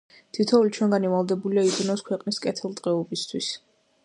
თითოეული ჩვენგანი ვალდებულია, იზრუნოს ქვეყნის კეთილდღეობისათვის.